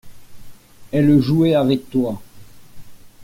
Elle jouait avec toi.